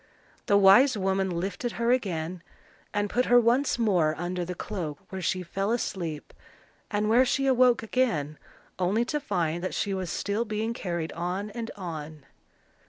The wise woman lifted her again, and put her once more under the cloak, where she fell asleep, and where she awoke again only to find that she was still being carried on and on.